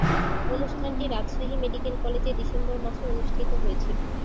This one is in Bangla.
অনুষ্ঠানটি রাজশাহী মেডিকেল কলেজে ডিসেম্বর মাসে অনুষ্ঠিত হয়েছিলো।